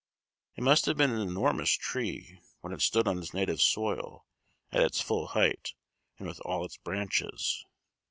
It must have been an enormous tree when it stood on its native soil, at its full height, and with all its branches.